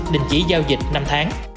đình chỉ giao dịch năm tháng